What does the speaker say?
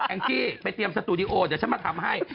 งกี้ไปเตรียมสตูดิโอเดี๋ยวฉันมาทำให้